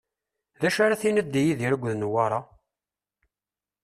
D acu ara tiniḍ di Yidir akked Newwara?